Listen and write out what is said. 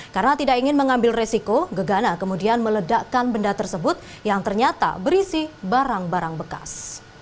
karena tidak ingin mengambil resiko gegana kemudian meledakkan benda tersebut yang ternyata berisi barang barang bekas